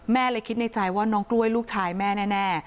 แม่เลยคิดในใจว่าน้องกล้วยลูกชายแม่แน่